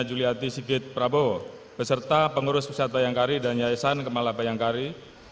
juliati sigit prabowo beserta pengurus pusat bayangkari dan yayasan kepala bayangkari